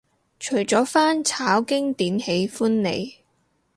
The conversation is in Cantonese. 除咗翻炒經典喜歡你